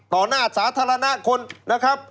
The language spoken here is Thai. หน้าสาธารณะคนนะครับ